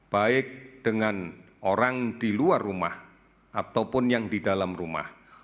baik dengan orang di luar rumah ataupun yang di dalam rumah